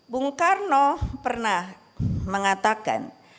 bung karno pernah mengatakan